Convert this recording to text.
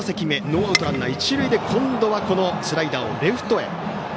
ノーアウトランナー、一塁で今度はスライダーをレフトへ。